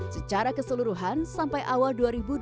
secara keseluruhan sampai sekarang